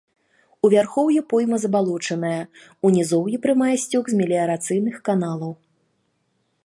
У вярхоўі пойма забалочаная, у нізоўі прымае сцёк з меліярацыйных каналаў.